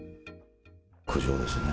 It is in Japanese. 苦情ですね。